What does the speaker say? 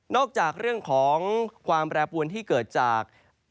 จากเรื่องของความแปรปวนที่เกิดจาก